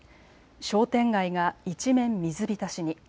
商店街が一面、水浸しに。